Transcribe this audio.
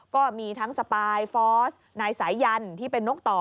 ก็มีทั้งสปายฟอร์สนายสายันที่เป็นนกต่อ